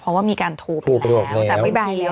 เพราะว่ามีการโทรไปแล้วแต่ไม่ไปแล้ว